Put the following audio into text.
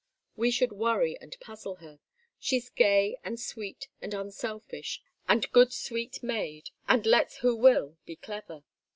We should worry and puzzle her. She's gay and sweet and unselfish, and good, sweet maid, and lets who will be clever.